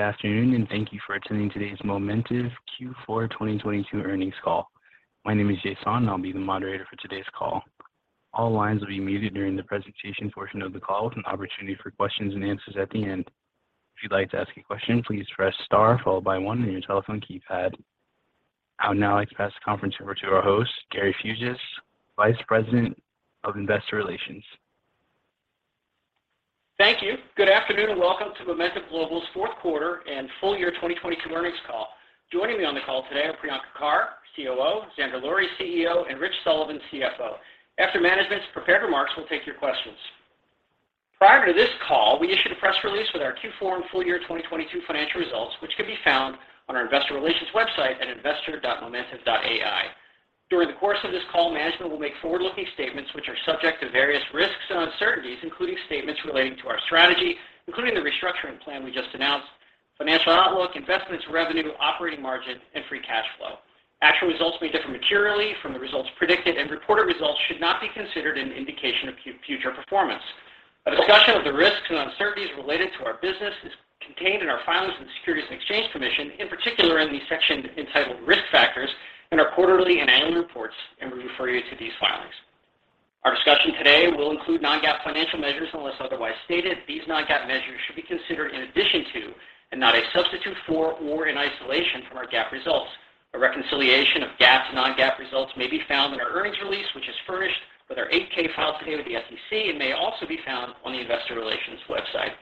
Good afternoon, and thank you for attending today's Momentive Q4 2022 Earnings Call. My name is Jason, and I'll be the moderator for today's call. All lines will be muted during the presentations portion of the call with an opportunity for questions and answers at the end. If you'd like to ask a question, please press star followed by one on your telephone keypad. I would now like to pass the conference over to our host, Gary Fuges, Vice President of Investor Relations. Thank you. Good afternoon, welcome to Momentive Global's Q4 and full year 2022 earnings call. Joining me on the call today are Priyanka Carr, COO, Zander Lurie, CEO, and Rich Sullivan, CFO. After management's prepared remarks, we'll take your questions. Prior to this call, we issued a press release with our Q4 and full year 2022 financial results, which could be found on our investor relations website at investor.momentive.ai. During the course of this call, management will make forward-looking statements which are subject to various risks and uncertainties, including statements relating to our strategy, including the restructuring plan we just announced, financial outlook, investments revenue, operating margin, and free cash flow. Actual results may differ materially from the results predicted, reported results should not be considered an indication of future performance. A discussion of the risks and uncertainties related to our business is contained in our filings with the Securities and Exchange Commission, in particular in the section entitled Risk Factors in our quarterly and annual reports, and we refer you to these filings. Our discussion today will include non-GAAP financial measures unless otherwise stated. These non-GAAP measures should be considered in addition to and not a substitute for or in isolation from our GAAP results. A reconciliation of GAAP to non-GAAP results may be found in our earnings release, which is furnished with our 8-K filed today with the SEC and may also be found on the investor relations website.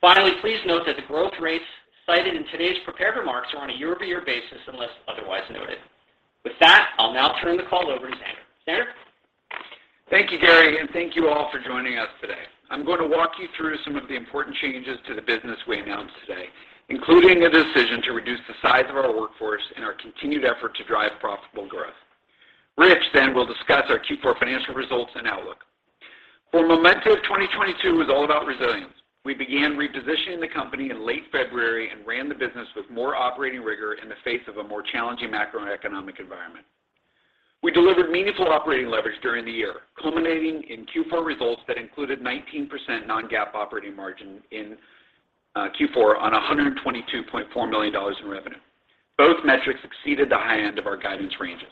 Finally, please note that the growth rates cited in today's prepared remarks are on a year-over-year basis unless otherwise noted. With that, I'll now turn the call over to Zander. Zander? Thank you, Gary, and thank you all for joining us today. I'm going to walk you through some of the important changes to the business we announced today, including a decision to reduce the size of our workforce and our continued effort to drive profitable growth. Rich then will discuss our Q4 financial results and outlook. For Momentive, 2022 was all about resilience. We began repositioning the company in late February and ran the business with more operating rigor in the face of a more challenging macroeconomic environment. We delivered meaningful operating leverage during the year, culminating in Q4 results that included 19% non-GAAP operating margin in Q4 on $122.4 million in revenue. Both metrics exceeded the high end of our guidance ranges.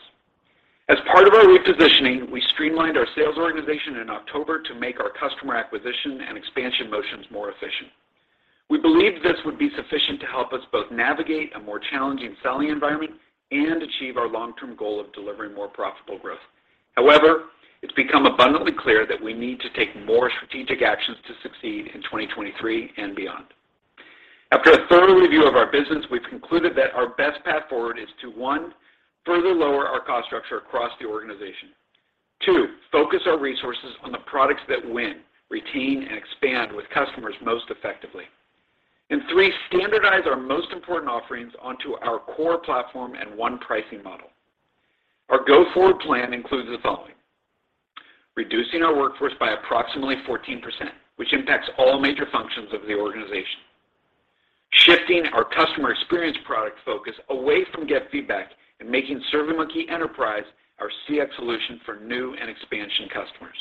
As part of our repositioning, we streamlined our sales organization in October to make our customer acquisition and expansion motions more efficient. We believed this would be sufficient to help us both navigate a more challenging selling environment and achieve our long-term goal of delivering more profitable growth. However, it's become abundantly clear that we need to take more strategic actions to succeed in 2023 and beyond. After a thorough review of our business, we've concluded that our best path forward is to, one, further lower our cost structure across the organization. Two, focus our resources on the products that win, retain, and expand with customers most effectively. Three, standardize our most important offerings onto our core platform and one pricing model. Our go-forward plan includes the following: Reducing our workforce by approximately 14%, which impacts all major functions of the organization. Shifting our customer experience product focus away from GetFeedback and making SurveyMonkey Enterprise our CX solution for new and expansion customers.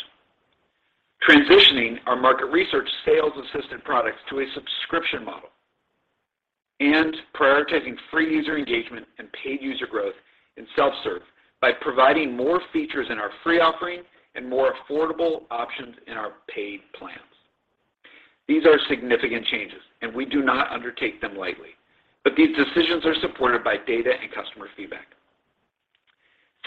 Transitioning our market research sales assistant products to a subscription model, and prioritizing free user engagement and paid user growth in self-serve by providing more features in our free offering and more affordable options in our paid plans. These are significant changes, and we do not undertake them lightly, but these decisions are supported by data and customer feedback.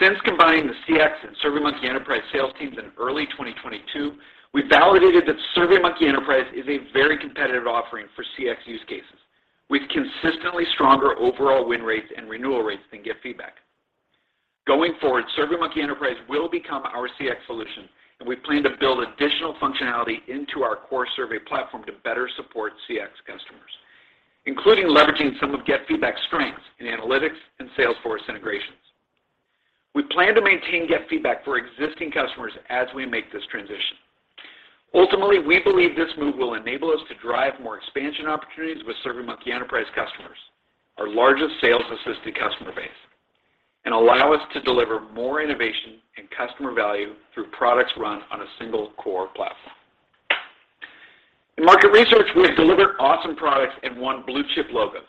Since combining the CX and SurveyMonkey Enterprise sales teams in early 2022, we validated that SurveyMonkey Enterprise is a very competitive offering for CX use cases, with consistently stronger overall win rates in renewal rates and GetFeedback. Going forward, SurveyMonkey Enterprise will become our CX solution, and we plan to build additional functionality into our core survey platform to better support CX customers, including leveraging some of GetFeedback's strengths in analytics and Salesforce integrations. We plan to maintain GetFeedback for existing customers as we make this transition. Ultimately, we believe this move will enable us to drive more expansion opportunities with SurveyMonkey Enterprise customers, our largest sales-assisted customer base, and allow us to deliver more innovation and customer value through products run on a single core platform. In market research, we have delivered awesome products and one blue-chip logo,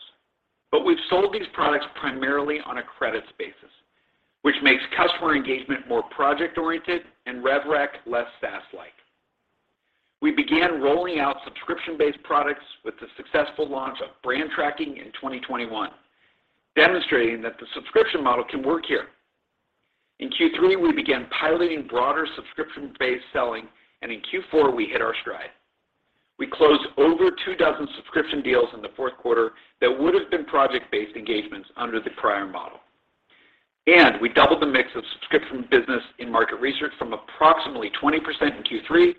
but we've sold these products primarily on a credits basis, which makes customer engagement more project-oriented and rev rec less SaaS-like. We began rolling out subscription-based products with the successful launch of Brand Tracking in 2021, demonstrating that the subscription model can work here. In Q3, we began piloting broader subscription-based selling, and in Q4, we hit our stride. We closed over two dozen subscription deals in the Q4 that would have been project-based engagements under the prior model. We doubled the mix of subscription business in market research from approximately 20% in Q3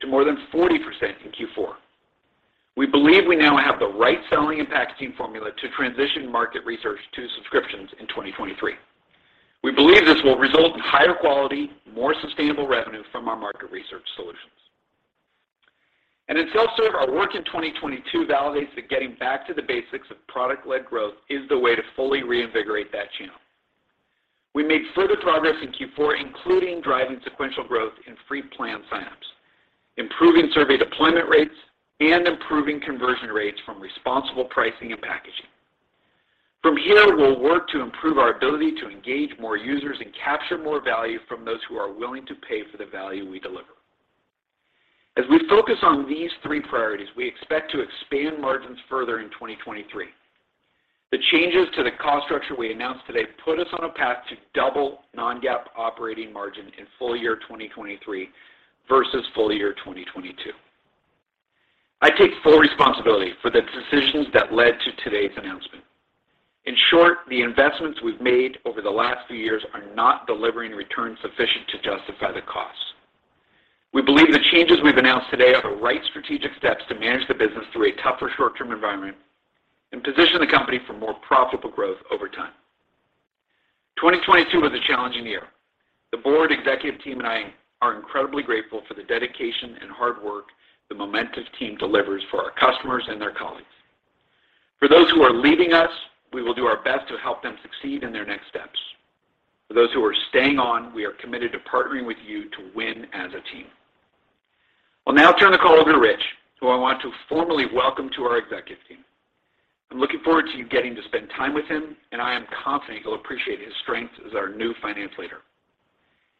to more than 40% in Q4. We believe we now have the right selling and packaging formula to transition market research to subscriptions in 2023. We believe this will result in higher quality, more sustainable revenue from our market research solutions. In self-serve, our work in 2022 validates that getting back to the basics of product-led growth is the way to fully reinvigorate that channel. We made further progress in Q4, including driving sequential growth in free plan signups, improving survey deployment rates, and improving conversion rates from responsible pricing and packaging. From here, we'll work to improve our ability to engage more users and capture more value from those who are willing to pay for the value we deliver. As we focus on these three priorities, we expect to expand margins further in 2023. The changes to the cost structure we announced today put us on a path to double non-GAAP operating margin in full year 2023 versus full year 2022. I take full responsibility for the decisions that led to today's announcement. In short, the investments we've made over the last few years are not delivering returns sufficient to justify the costs. We believe the changes we've announced today are the right strategic steps to manage the business through a tougher short-term environment and position the company for more profitable growth over time. 2022 was a challenging year. The board, executive team, and I are incredibly grateful for the dedication and hard work the Momentive team delivers for our customers and their colleagues. For those who are leaving us, we will do our best to help them succeed in their next steps. For those who are staying on, we are committed to partnering with you to win as a team. I'll now turn the call over to Rich, who I want to formally welcome to our executive team. I'm looking forward to getting to spend time with him, and I am confident you'll appreciate his strength as our new finance leader.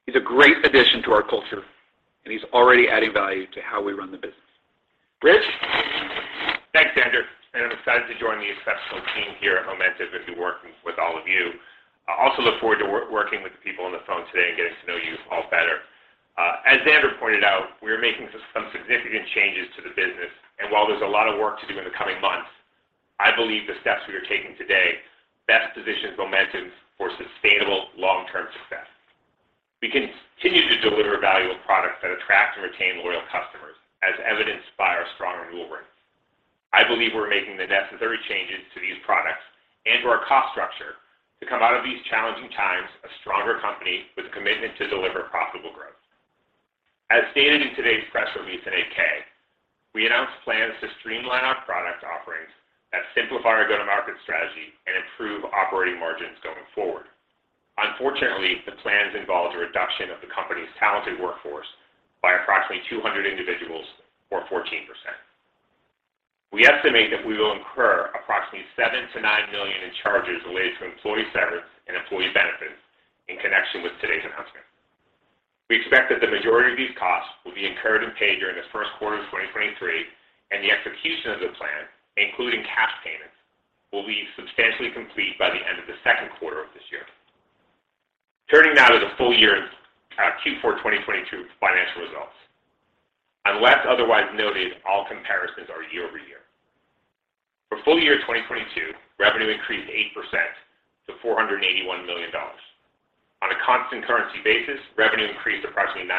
He is a great addition to our culture and he's already adding value to how we run the business. Rich? Thanks, Zander. I'm excited to join the exceptional team here at Momentive and to be working with all of you. I also look forward to working with the people on the phone today and getting to know you all better. As Zander pointed out, we are making some significant changes to the business, and while there's a lot of work to do in the coming months, I believe the steps we are taking today best positions Momentive for sustainable long-term success. We continue to deliver valuable products that attract and retain loyal customers, as evidenced by our strong renewal rates. I believe we're making the necessary changes to these products and to our cost structure to come out of these challenging times a stronger company with a commitment to deliver profitable growth. As stated in today's press release and 8-K, we announced plans to streamline our product offerings that simplify our go-to-market strategy and improve operating margins going forward. Unfortunately, the plans involve the reduction of the company's talented workforce by approximately 200 individuals or 14%. We estimate that we will incur approximately $7 million-$9 million in charges related to employee severance and employee benefits in connection with today's announcement. We expect that the majority of these costs will be incurred and paid during the Q1 of 2023, and the execution of the plan, including cash payments, will be substantially complete by the end of the Q2 of this year. Turning now to the full year, Q4 2022 financial results. Unless otherwise noted, all comparisons are year-over-year. For full year 2022, revenue increased 8% to $481 million. On a constant currency basis, revenue increased approximately 9%.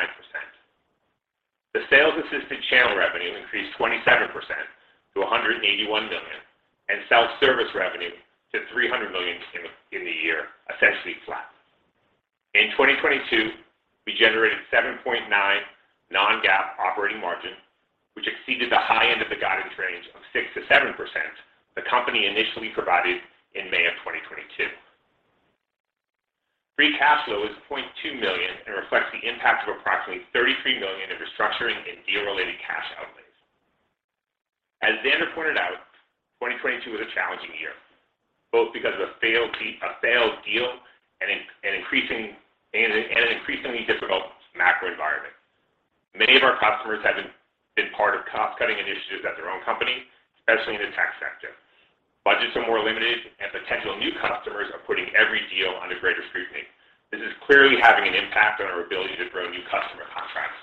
The sales assistant channel revenue increased 27% to $181 million, and self-service revenue to $300 million in the year, essentially flat. In 2022, we generated 7.9 non-GAAP operating margin, which exceeded the high end of the guidance range of 6%-7% the company initially provided in May of 2022. Free cash flow was $0.2 million and reflects the impact of approximately $33 million in restructuring and deal-related cash outlays. As Zander pointed out, 2022 was a challenging year, both because of a failed deal and increasing and an increasingly difficult macro environment. Many of our customers have been part of cost-cutting initiatives at their own company, especially in the tech sector. Budgets are more limited, potential new customers are putting every deal under greater scrutiny. This is clearly having an impact on our ability to grow new customer contracts.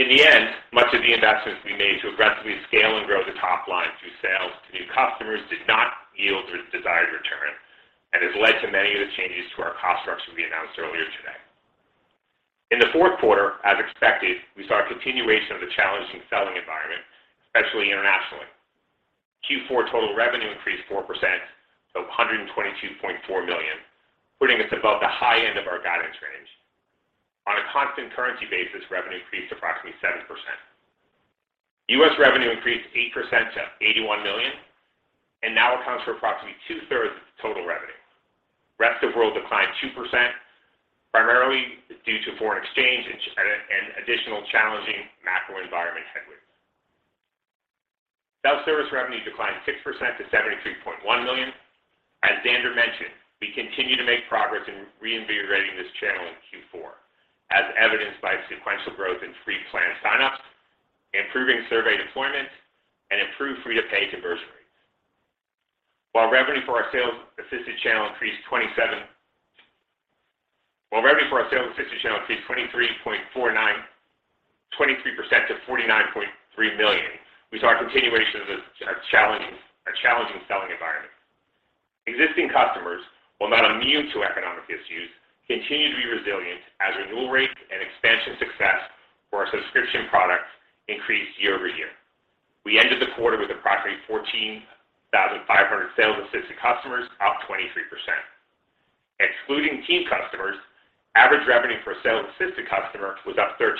In the end, much of the investments we made to aggressively scale and grow the top line through sales to new customers did not yield the desired return and has led to many of the changes to our cost structure we announced earlier today. In the Q4, as expected, we saw a continuation of the challenging selling environment, especially internationally. Q4 total revenue increased 4% to $122.4 million, putting us above the high end of our guidance range. On a constant currency basis, revenue increased approximately 7%. U.S. revenue increased 8% to $81 million and now accounts for approximately two-thirds of total revenue. Rest of world declined 2%, primarily due to foreign exchange and additional challenging macro environment headwinds. Self-service revenue declined 6% to $73.1 million. As Zander mentioned, we continue to make progress in reinvigorating this channel in Q4, as evidenced by sequential growth in free plan signups, improving survey deployment, and improved free-to-pay conversion rates. While revenue for our sales assisted channel increased 23% to $49.3 million, we saw a continuation of a challenging selling environment. Existing customers, while not immune to economic issues, continue to be resilient as renewal rate and expansion success for our subscription products increased year-over-year. We ended the quarter with approximately 14,500 sales assisted customers, up 23%. Excluding team customers, average revenue per sales assisted customer was up 13%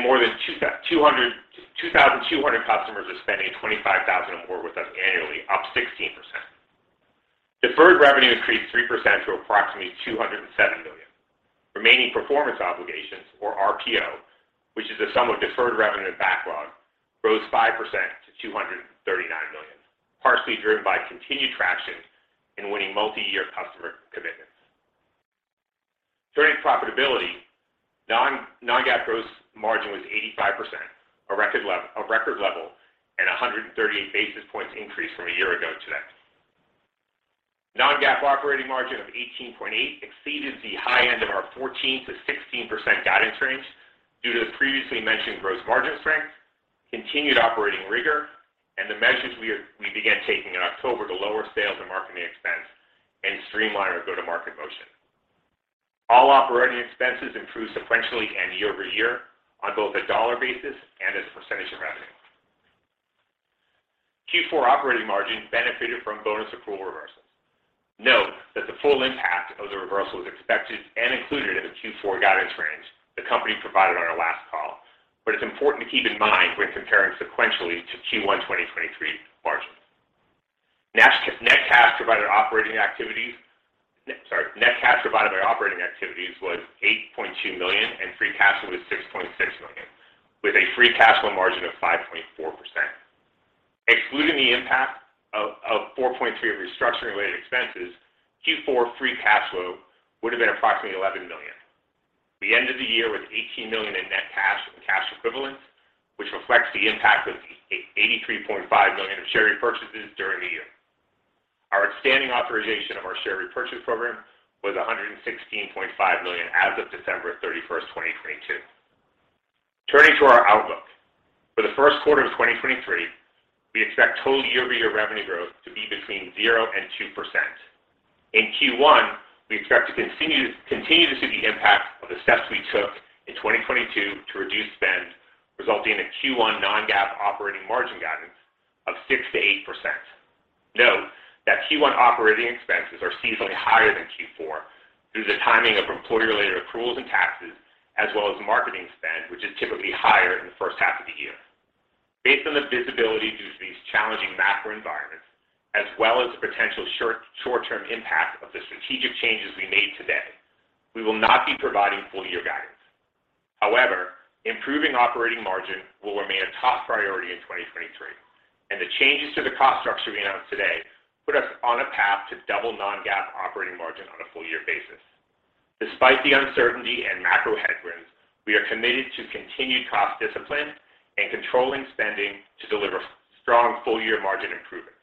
year-over-year. More than 2,200 customers are spending $25,000 or more with us annually, up 16%. Deferred revenue increased 3% to approximately $207 million. Remaining performance obligations or RPO, which is the sum of deferred revenue and backlog, rose 5% to $239 million, partially driven by continued traction in winning multi-year customer commitments. Turning to profitability, non-GAAP gross margin was 85%, a record level, and 138 basis points increase from a year ago today. Non-GAAP operating margin of 18.8% exceeded the high end of our 14%-16% guidance range due to the previously mentioned gross margin strength, continued operating rigor, and the measures we began taking in October to lower sales and marketing expense and streamline our go-to-market motion. All operating expenses improved sequentially and year-over-year on both a dollar basis and as a percentage of revenue. Q4 operating margin benefited from bonus accrual reversals. Note that the full impact of the reversal is expected and included in the Q4 guidance range the company provided on our last call. It's important to keep in mind when comparing sequentially to Q1 2023 margins. net cash provided operating activities. Sorry, net cash provided by operating activities was $8.2 million, and free cash flow was $6.6 million, with a free cash flow margin of 5.4%. Excluding the impact of $4.3 million of restructuring-related expenses, Q4 free cash flow would have been approximately $11 million. We ended the year with $18 million in net cash and cash equivalents, which reflects the impact of the $83.5 million of share repurchases during the year. Our outstanding authorization of our share repurchase program was $116.5 million as of December 31st, 2022. Turning to our outlook. For the Q1 of 2023, we expect total year-over-year revenue growth to be between 0% and 2%. In Q1, we expect to continue to see the impact of the steps we took in 2022 to reduce spend, resulting in a Q1 non-GAAP operating margin guidance of 6%-8%. Note that Q1 operating expenses are seasonally higher than Q4 due to the timing of employer-related accruals and taxes, as well as marketing spend, which is typically higher in the H1 of the year. Based on the visibility due to these challenging macro environments, as well as the potential short-term impact of the strategic changes we made today, we will not be providing full-year guidance. However, improving operating margin will remain a top priority in 2023, and the changes to the cost structure we announced today put us on a path to double non-GAAP operating margin on a full-year basis. Despite the uncertainty and macro headwinds, we are committed to continued cost discipline and controlling spending to deliver strong full-year margin improvements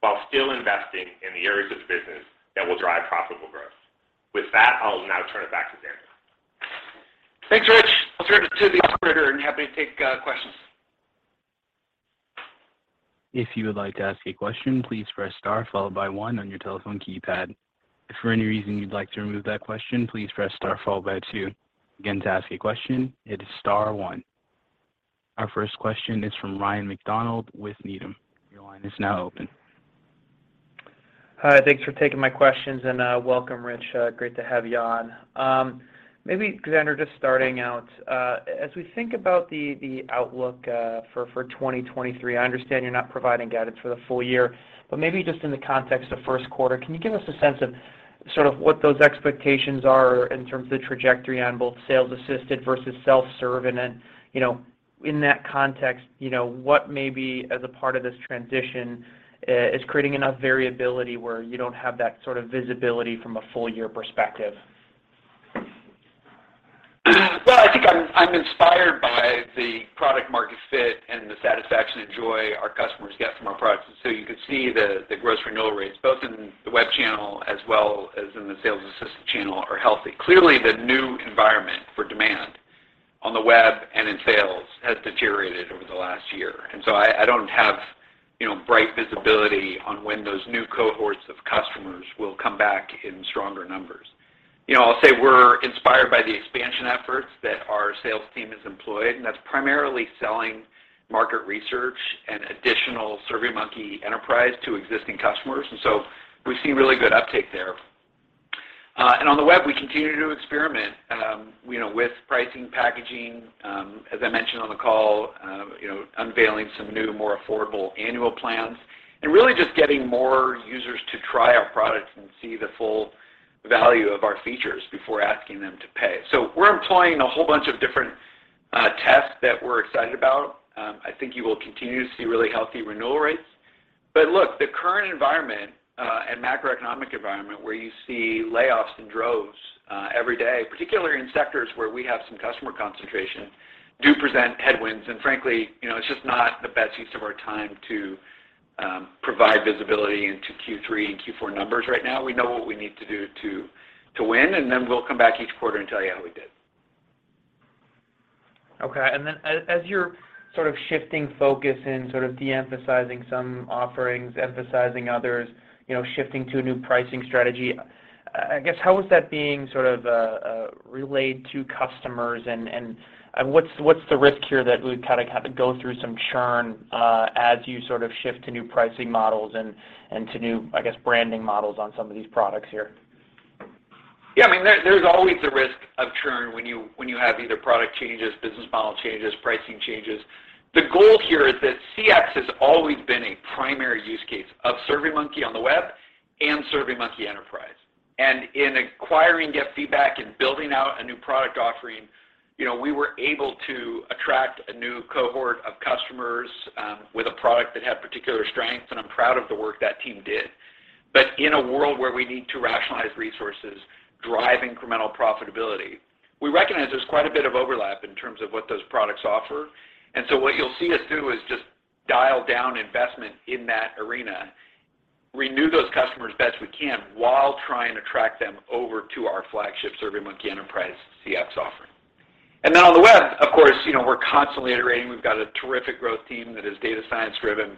while still investing in the areas of the business that will drive profitable growth. With that, I'll now turn it back to Zander. Thanks, Rich. I'll turn it to the operator, and happy to take questions. If you would like to ask a question, please press star followed by one on your telephone keypad. If for any reason you'd like to remove that question, please press star followed by two. Again, to ask a question, it is star one. Our first question is from Ryan MacDonald with Needham. Your line is now open. Hi. Thanks for taking my questions, and welcome, Rich. Great to have you on. Maybe, Zander, just starting out, as we think about the outlook for 2023, I understand you're not providing guidance for the full year, but maybe just in the context of Q1, can you give us a sense of what those expectations are in terms of the trajectory on both sales assisted versus self-serve? You know, in that context, you know, what maybe as a part of this transition is creating enough variability where you don't have that sort of visibility from a full-year perspective? I think I'm inspired by the Product-market fit and the satisfaction and joy our customers get from our products. You could see the gross renewal rates, both in the web channel as well as in the sales assistant channel, are healthy. Clearly, the new environment for demand on the web and in sales has deteriorated over the last year. I don't have, you know, bright visibility on when those new cohorts of customers will come back in stronger numbers. You know, I'll say we're inspired by the expansion efforts that our sales team has employed, and that's primarily selling market research and additional SurveyMonkey Enterprise to existing customers. We see really good uptake there. On the web, we continue to experiment, you know, with pricing, packaging, as I mentioned on the call, you know, unveiling some new, more affordable annual plans, and really just getting more users to try our products and see the full value of our features before asking them to pay. We're employing a whole bunch of different tests that we're excited about. I think you will continue to see really healthy renewal rates. Look, the current environment, and macroeconomic environment, where you see layoffs in droves, every day, particularly in sectors where we have some customer concentration, do present headwinds. Frankly, you know, it's just not the best use of our time to provide visibility into Q3 and Q4 numbers right now. We know what we need to do to win, and then we'll come back each quarter and tell you how we did. Okay, as you're shifting focus and sort of de-emphasizing some offerings, emphasizing others, you know, shifting to a new pricing strategy, I guess, how is that being sort of relayed to customers, and what's the risk here that we'd have to go through some churn as you shift to new pricing models and to new, I guess, branding models on some of these products here? Yeah, I mean, there's always the risk of churn when you have either product changes, business model changes, pricing changes. The goal here is that CX has always been a primary use case of SurveyMonkey on the web and SurveyMonkey Enterprise. In acquiring GetFeedback and building out a new product offering, you know, we were able to attract a new cohort of customers with a product that had particular strengths, and I'm proud of the work that team did. In a world where we need to rationalize resources, drive incremental profitability, we recognize there's quite a bit of overlap in terms of what those products offer. What you'll see us do is just dial down investment in that arena, renew those customers best we can while trying to track them over to our flagship SurveyMonkey Enterprise CX offering. On the web, of course, you know, we're constantly iterating. We've got a terrific growth team that is data science driven,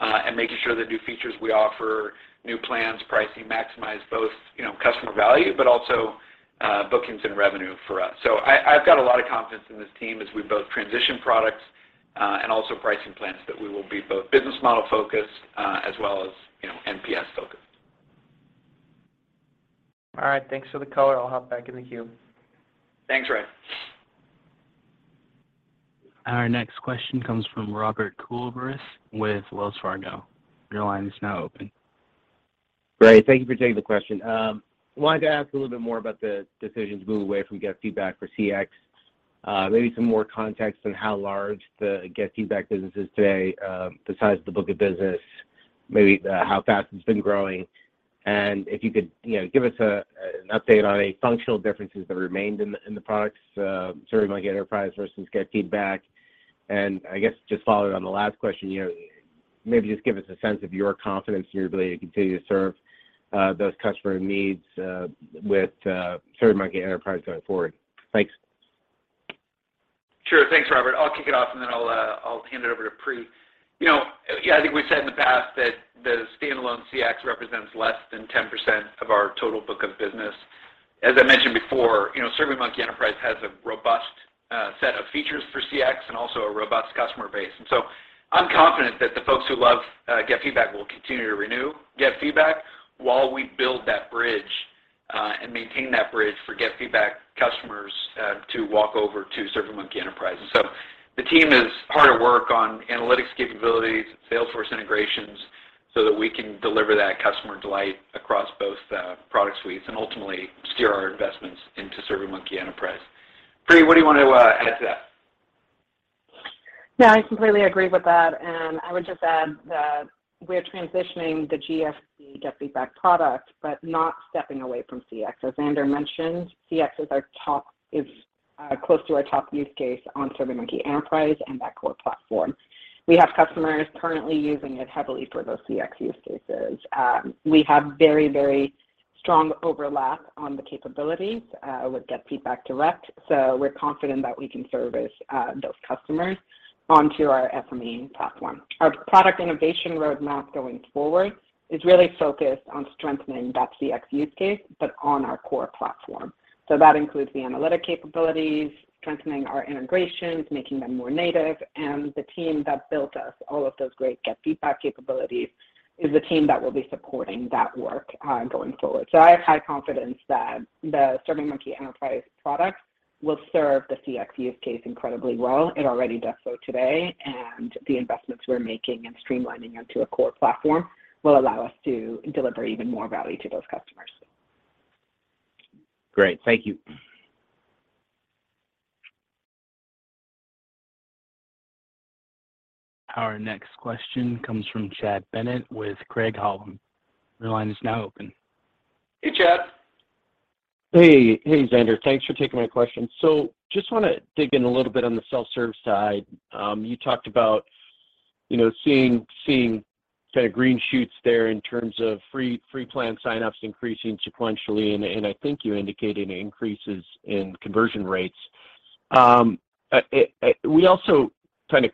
and making sure the new features we offer, new plans, pricing maximize both, you know, customer value, but also, bookings and revenue for us. I've got a lot of confidence in this team as we both transition products, and also pricing plans, that we will be both business model-focused, as well as, you know, NPS-focused. All right. Thanks for the color. I'll hop back in the queue. Thanks, Ryan. Our next question comes from Robert Coolbrith with Wells Fargo. Your line is now open. Ray, thank you for taking the question. Wanted to ask a little bit more about the decision to move away from GetFeedback for CX. Maybe some more context on how large the GetFeedback business is today, the size of the book of business, maybe, how fast it's been growing. If you could, you know, give us an update on any functional differences that remained in the products, SurveyMonkey Enterprise versus GetFeedback. I guess just following on the last question, you know, maybe just give us a sense of your confidence in your ability to continue to serve those customer needs with SurveyMonkey Enterprise going forward? Thanks. Sure. Thanks, Robert. I'll kick it off, and then I'll hand it over to Pri. You know, yeah, I think we've said in the past that the standalone CX represents less than 10% of our total book of business. As I mentioned before, you know, SurveyMonkey Enterprise has a robust set of features for CX and also a robust customer base. I'm confident that the folks who love GetFeedback will continue to renew GetFeedback while we build that bridge and maintain that bridge for GetFeedback customers to walk over to SurveyMonkey Enterprise. The team is hard at work on analytics capabilities, Salesforce integrations, so that we can deliver that customer delight across both the product suites and ultimately steer our investments into SurveyMonkey Enterprise. Pri, what do you want to add to that? Yeah, I completely agree with that, I would just add that we're transitioning the GFC GetFeedback product, but not stepping away from CX. As Zander mentioned, CX is close to our top use case on SurveyMonkey Enterprise and that core platform. We have customers currently using it heavily for those CX use cases. We have very strong overlap on the capabilities with GetFeedback direct, so we're confident that we can service those customers onto our SME platform. Our product innovation roadmap going forward is really focused on strengthening that CX use case, but on our core platform. That includes the analytic capabilities, strengthening our integrations, making them more native, and the team that built us all of those great GetFeedback capabilities is the team that will be supporting that work going forward. I have high confidence that the SurveyMonkey Enterprise product will serve the CX use case incredibly well. It already does so today, and the investments we're making and streamlining onto a core platform will allow us to deliver even more value to those customers. Great. Thank you. Our next question comes from Chad Bennett with Craig-Hallum. Your line is now open. Hey, Chad. Hey. Hey, Zander. Thanks for taking my question. Just wanna dig in a little bit on the self-serve side. You talked about, you know, seeing green shoots there in terms of free plan sign-ups increasing sequentially, and I think you indicated increases in conversion rates. We also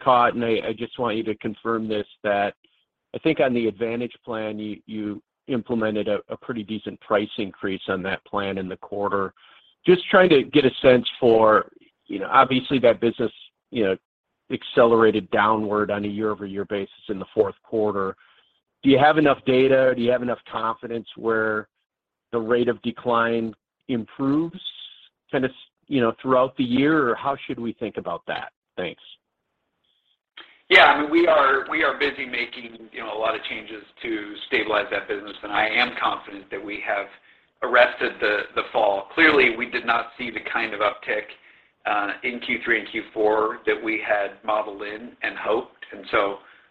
caught, and I just want you to confirm this, that I think on the Advantage plan, you implemented a pretty decent price increase on that plan in the quarter. Just trying to get a sense for, you know, obviously that business, you know, accelerated downward on a year-over-year basis in the Q4. Do you have enough data? Do you have enough confidence where the rate of decline improves, you know, throughout the year, or how should we think about that? Thanks. Yeah. I mean, we are busy making, you know, a lot of changes to stabilize that business, and I am confident that we have arrested the fall. Clearly, we did not see the kind of uptick in Q3 and Q4 that we had modelled in and hoped.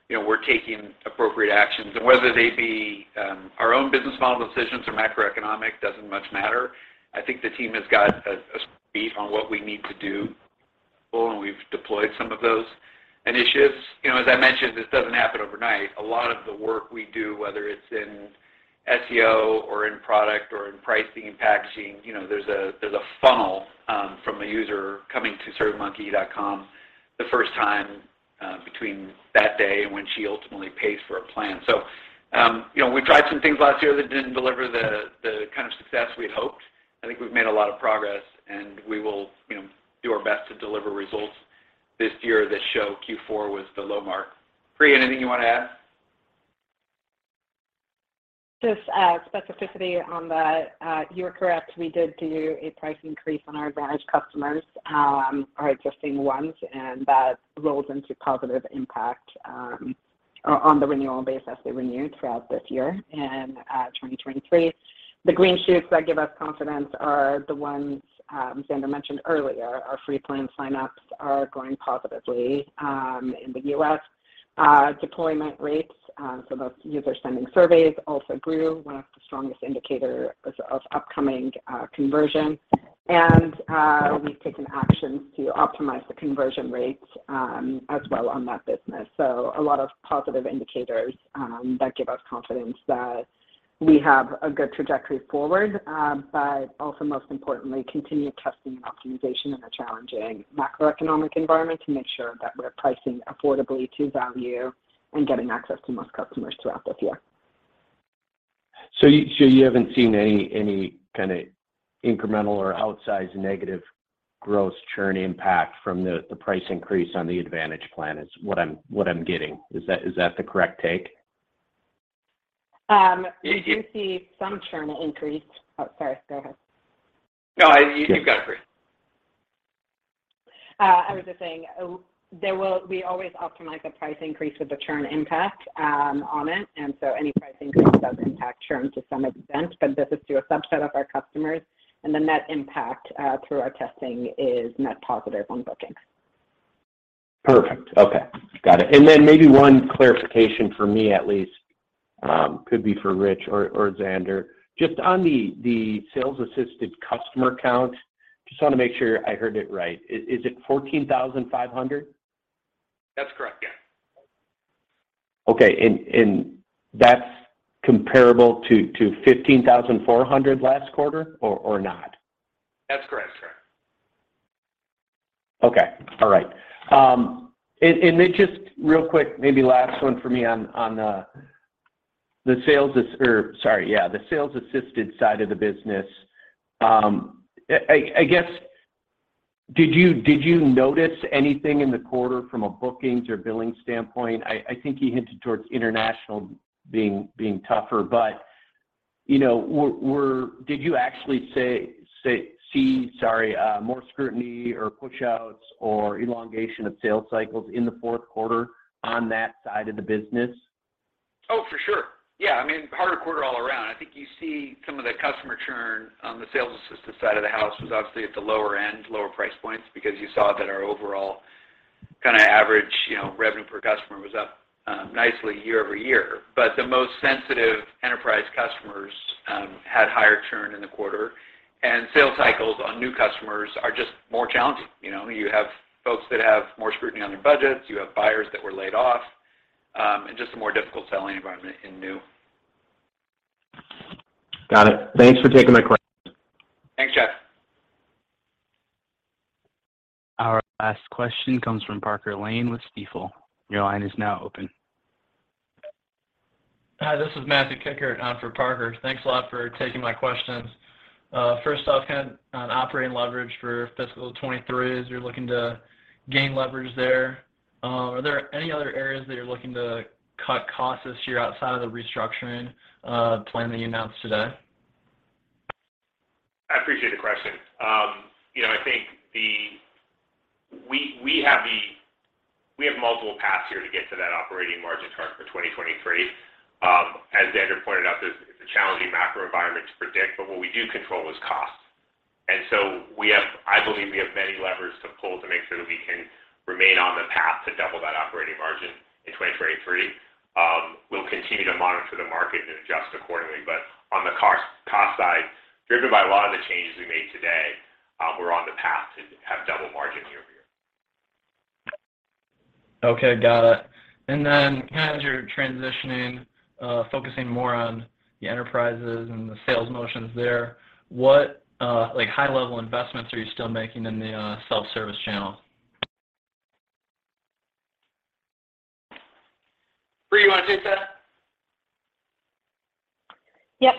You know, we're taking appropriate actions, and whether they be our own business model decisions or macroeconomic doesn't much matter. I think the team has got a beat on what we need to do, and we've deployed some of those initiatives. You know, as I mentioned, this doesn't happen overnight. A lot of the work we do, whether it's in SEO or in product or in pricing and packaging, you know, there's a funnel from a user coming to surveymonkey.com the first time, between that day and when she ultimately pays for a plan. You know, we tried some things last year that didn't deliver the success we had hoped. I think we've made a lot of progress, and we will, you know, do our best to deliver results this year that show Q4 was the low mark. Pri, anything you wanna add? Just specificity on that. You're correct, we did do a price increase on our Advantage customers, our existing ones, that rolls into positive impact on the renewal base as they renew throughout this year in 2023. The green shoots that give us confidence are the ones Zander mentioned earlier. Our free plan sign-ups are growing positively in the U.S. Deployment rates, so those user-sending surveys also grew, one of the strongest indicators of upcoming conversion. We've taken actions to optimize the conversion rates as well on that business. A lot of positive indicators that give us confidence that we have a good trajectory forward. Also, most importantly, continued testing and optimization in a challenging macroeconomic environment to make sure that we're pricing affordably to value and getting access to most customers throughout this year. You haven't seen any incremental or outsized negative gross churn impact from the price increase on the Advantage Plan is what I'm getting. Is that the correct take? We do see some churn increase. Oh, sorry, go ahead. No, you go, please. I was just saying, We always optimize the price increase with the churn impact, on it. Any pricing change does impact churn to some extent, but this is to a subset of our customers, and the net impact, through our testing is net positive on bookings. Perfect. Okay. Got it. Maybe one clarification for me at least, could be for Rich or Zander. Just on the sales-assisted customer count, just wanna make sure I heard it right. Is it 14,500? That's correct. Yeah. Okay. That's comparable to 15,400 last quarter or not? That's correct. That's correct. Okay. All right. Then just real quick, maybe last one for me on, the sales-assisted side of the business. I guess did you notice anything in the quarter from a bookings or billing standpoint? I think you hinted towards international being tougher. You know, did you actually see, sorry, more scrutiny or pushouts or elongation of sales cycles in the Q4 on that side of the business? Oh, for sure. Yeah. I mean, harder quarter all around. I think you see some of the customer churn on the sales-assisted side of the house was obviously at the lower end, lower price points, because you saw that our overall average, you know, revenue per customer was up nicely year-over-year. The most sensitive enterprise customers had higher churn in the quarter, and sales cycles on new customers are just more challenging. You know? You have folks that have more scrutiny on their budgets, you have buyers that were laid off and just a more difficult selling environment in new. Got it. Thanks for taking my questions. Thanks, Jeff. Our last question comes from Parker Lane with Stifel. Your line is now open. Hi, this is Matthew Kikkert for Parker. Thanks a lot for taking my questions. First off, on operating leverage for fiscal 2023, as you're looking to gain leverage there, are there any other areas that you're looking to cut costs this year outside of the restructuring, plan that you announced today? I appreciate the question. you know, We have multiple paths here to get to that operating margin target for 2023. As Zander pointed out, this is a challenging macro environment to predict, but what we do control is cost. I believe we have many levers to pull to make sure that we can remain on the path to double that operating margin in 2023. We'll continue to monitor the market and adjust accordingly. On the cost side, driven by a lot of the changes we made today, we're on the path to have double margin year-over-year. Okay. Got it. Kind of as you're transitioning, focusing more on the enterprises and the sales motions there, what, like, high-level investments are you still making in the self-service channel? Pri, you wanna take that? Yes.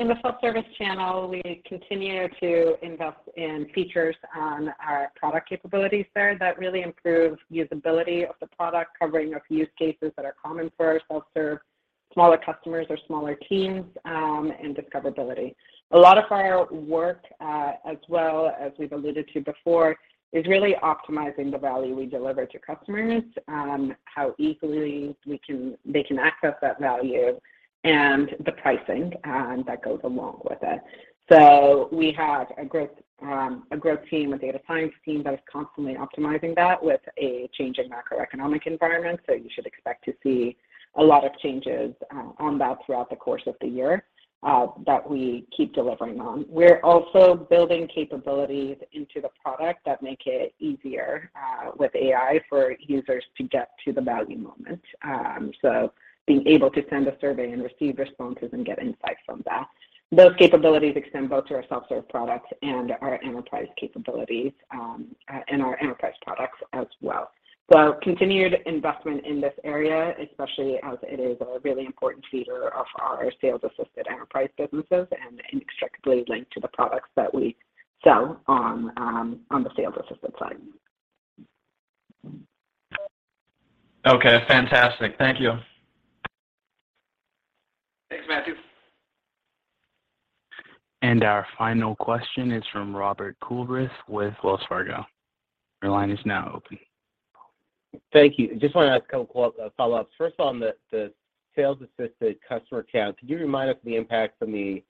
In the self-service channel, we continue to invest in features on our product capabilities there that really improve usability of the product, covering of use cases that are common for our self-serve smaller customers or smaller teams, and discoverability. A lot of our work, as well, as we've alluded to before, is really optimizing the value we deliver to customers, how easily they can access that value and the pricing that goes along with it. We have a growth team, a data science team that is constantly optimizing that with a changing macroeconomic environment. You should expect to see a lot of changes on that throughout the course of the year that we keep delivering on. We're also building capabilities into the product that make it easier, with AI for users to get to the value moment. Being able to send a survey and receive responses and get insights from that. Those capabilities extend both to our self-serve products and our enterprise capabilities, and our enterprise products as well. Continued investment in this area, especially as it is a really important feeder of our sales-assisted enterprise businesses and inextricably linked to the products that we sell on the sales-assisted side. Okay, fantastic. Thank you. Thanks, Matthew. Our final question is from Robert Coolbrith with Wells Fargo. Your line is now open. Thank you. Just want to ask a couple follow-ups. First of all, on the sales assisted customer count, could you remind us of the impact from the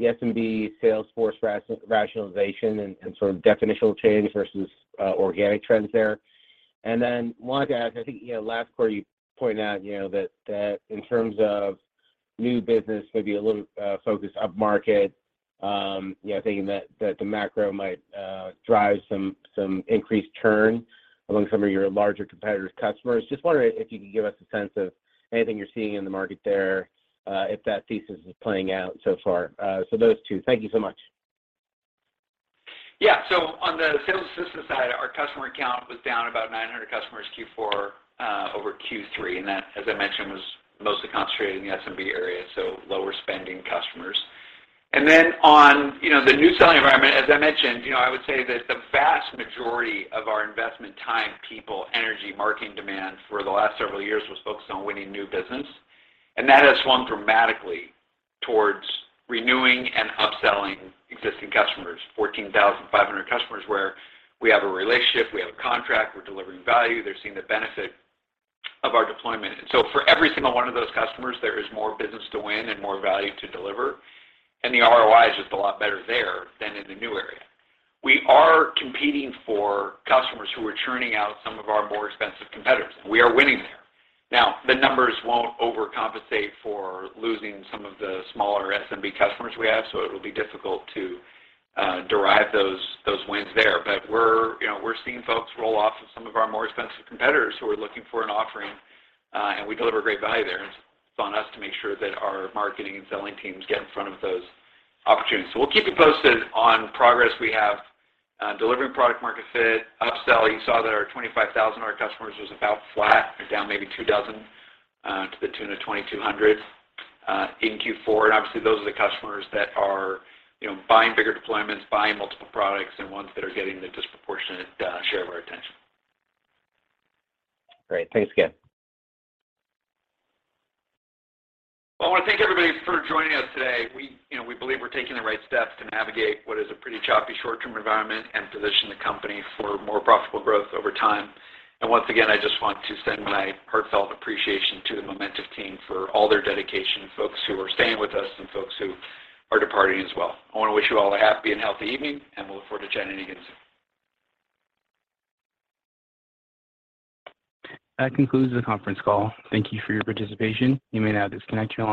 SMB sales force rationalization and sort of definitional change versus organic trends there? Wanted to ask, I think, you know, last quarter you pointed out, you know, that in terms of new business, maybe a little focus upmarket, you know, thinking that the macro might drive some increased churn among some of your larger competitors' customers. Just wondering if you could give us a sense of anything you're seeing in the market there, if that thesis is playing out so far? Those two. Thank you so much. Yeah. On the sales assistant side, our customer count was down about 900 customers Q4 over Q3. That, as I mentioned, was mostly concentrated in the SMB area, so lower spending customers. On, you know, the new selling environment, as I mentioned, you know, I would say that the vast majority of our investment time, people, energy, marketing demand for the last several years was focused on winning new business. That has swung dramatically towards renewing and upselling existing customers, 14,500 customers, where we have a relationship, we have a contract, we're delivering value. They're seeing the benefit of our deployment. For every single one of those customers, there is more business to win and more value to deliver. The ROI is just a lot better there than in the new area. We are competing for customers who are churning out some of our more expensive competitors. We are winning there. Now, the numbers won't overcompensate for losing some of the smaller SMB customers we have, so it'll be difficult to derive those wins there. We're, you know, we're seeing folks roll off of some of our more expensive competitors who are looking for an offering, and we deliver great value there. It's on us to make sure that our marketing and selling teams get in front of those opportunities. We'll keep you posted on progress we have delivering product market fit, upselling. You saw that our $25,000 customers was about flat or down maybe two dozen to the tune of $2,200 in Q4. Obviously, those are the customers that are, you know, buying bigger deployments, buying multiple products and ones that are getting the disproportionate share of our attention. Great. Thanks again. I want to thank everybody for joining us today. We, you know, we believe we're taking the right steps to navigate what is a pretty choppy short-term environment and position the company for more profitable growth over time. Once again, I just want to send my heartfelt appreciation to the Momentive team for all their dedication, folks who are staying with us and folks who are departing as well. I want to wish you all a happy and healthy evening, we look forward to chatting again soon. That concludes the conference call. Thank you for your participation. You may now disconnect your lines.